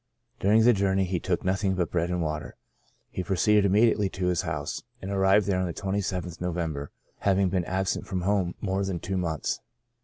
During the journey he took nothing but bread and water ; he proceeded immediately to his house, and arrived there on the 27th November, having been absent from home more than two months.